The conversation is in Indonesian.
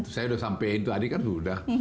saya sudah sampaikan itu tadi kan sudah